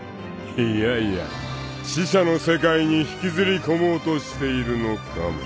［いやいや死者の世界に引きずり込もうとしているのかも］